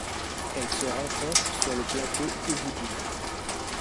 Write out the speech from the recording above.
Elle se rencontre sur le plateau Obudu.